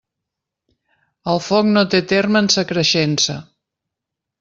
El foc no té terme en sa creixença.